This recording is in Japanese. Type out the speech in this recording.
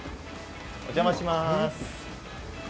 お邪魔します。